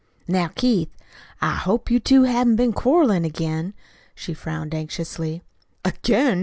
"Now, Keith, I hope you two haven't been quarreling again," she frowned anxiously. "'Again'!